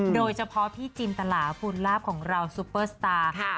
โดยเฉพาะพี่จินตลาภูนลาบของเราซุปเปอร์สตาร์ค่ะ